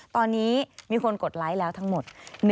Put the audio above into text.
ตอนนี้มีคนกดไลค์แล้วทั้งหมด